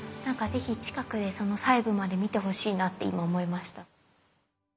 是非近くで細部まで見てほしいなって今思いました。